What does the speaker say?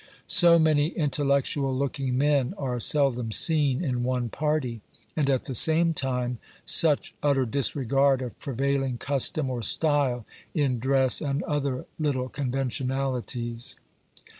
So many intellectual looking men are seldom seen in one party, and at the same time, su<& utter disregard of prevailing cus tom, or style, in dress and other little conventionalities.